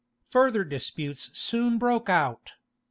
Further disputes soon broke out.